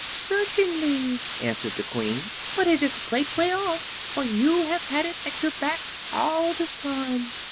"Certainly," answered the Queen; "but it is a great way off, for you have had it at your backs all this time."